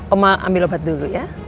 oma ambil obat dulu ya